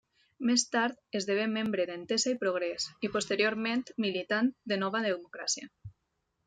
Més tard, esdevé membre d'Entesa i Progrés, i posteriorment, militant de Nova Democràcia.